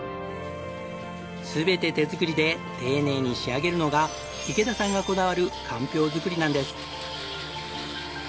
全て手作りで丁寧に仕上げるのが池田さんがこだわるかんぴょう作りなんです。